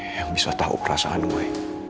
yang bisa tahu perasaan gue